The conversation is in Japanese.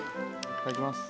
いただきます。